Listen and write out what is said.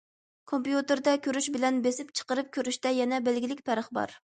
كومپيۇتېردا كۆرۈش بىلەن بېسىپ چىقىرىپ كۆرۈشتە يەنە بەلگىلىك پەرق بار.